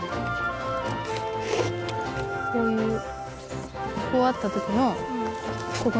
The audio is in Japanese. こういうこうあったときの。